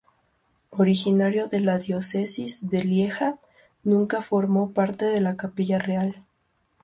Originario de la diócesis de Lieja, nunca formó parte de la capilla real.